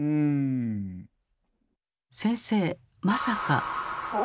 先生まさか？